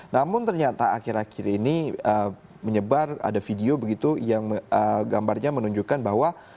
namun ternyata akhir akhir ini menyebar ada video begitu yang gambarnya menunjukkan bahwa